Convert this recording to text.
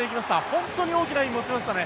本当に大きな意味を持ちましたね。